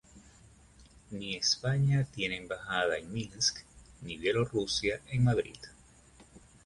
Ni España tiene embajada en Minsk, ni Bielorrusia en Madrid.